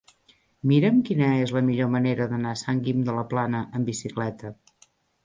Mira'm quina és la millor manera d'anar a Sant Guim de la Plana amb bicicleta.